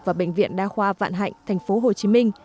và bệnh viện đa khoa vạn hạnh tp hcm